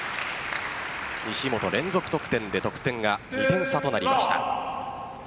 西本、連続得点で得点が２点差となりました。